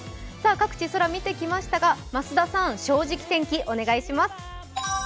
各地、空見てきましたが、増田さん、「正直天気」お願いします。